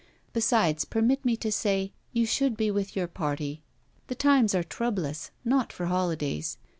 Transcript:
Besides, permit me to say, you should be with your party. The times are troublous not for holidays!